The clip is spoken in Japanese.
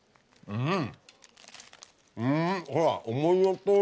うん。